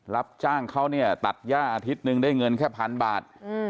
รับจ้างเขาเนี่ยตัดย่าอาทิตย์หนึ่งได้เงินแค่พันบาท